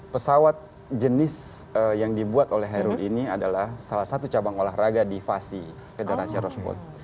pesawat jenis yang dibuat oleh hairul ini adalah salah satu cabang olahraga di fasi federasi roadboat